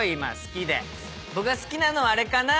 僕が好きなのはあれかな。